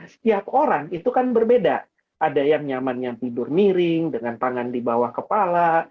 setiap orang itu kan berbeda ada yang nyaman yang tidur miring dengan tangan di bawah kepala